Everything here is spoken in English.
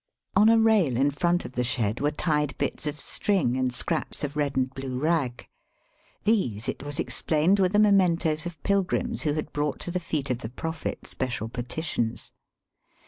On a rail in front of the shed were tied bits of string and scraps of red and blue rag. Digitized by VjOOQIC DELHI. 305 These, it was explained, were the mementoes of pilgrims who had brought to the feet of the Prophet special petitions.